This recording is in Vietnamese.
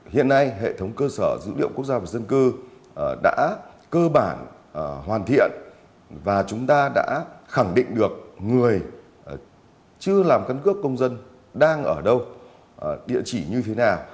hiện nay hệ thống cơ sở dữ liệu quốc gia về dân cư đã cơ bản hoàn thiện và chúng ta đã khẳng định được người chưa làm căn cước công dân đang ở đâu địa chỉ như thế nào